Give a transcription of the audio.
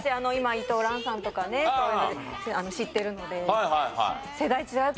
伊藤蘭さんとかねそういうので知ってるので。